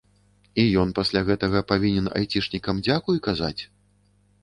І ён пасля гэтага павінен айцішнікам дзякуй казаць?